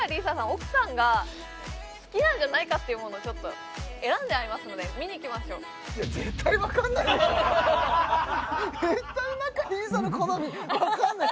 奥さんが好きなんじゃないかっていうものをちょっと選んでありますので見に行きましょういや絶対仲里依紗の好みわかんない！